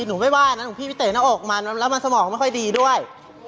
หนูไม่ว่านะหลวงพี่ไปเตะหน้าอกมันแล้วมันสมองไม่ค่อยดีด้วย